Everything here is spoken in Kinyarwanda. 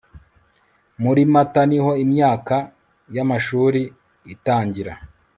Muri Mata niho imyaka yamashuri itangira